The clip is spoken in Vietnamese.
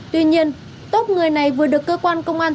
tuy nhiên tốt người này vừa được cơ quan công an